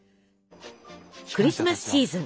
クリスマスシーズン